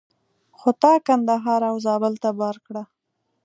خو تا کندهار او زابل ته بار کړه.